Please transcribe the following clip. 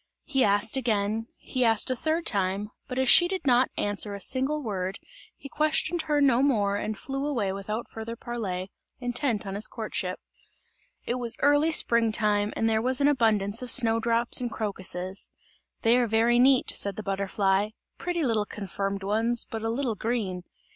He asked again, he asked a third time, but as she did not answer a single word, he questioned her no more and flew away without further parley, intent on his courtship. It was early spring time, and there was an abundance of snow drops and crocuses. "They are very neat," said the butterfly, "pretty little confirmed ones, but a little green!"